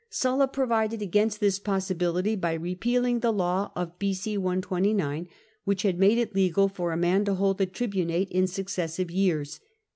Sulla provided against this possibility by repealing the law of B.c. 129, which had made it legal for a man to hold the tribunate in successive years.